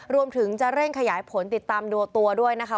รวมถึงจะเร่งขยายผลติดตามตัวด้วยนะคะ